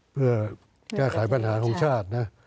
เพื่อแก้ไขปัญหาของชาตินะ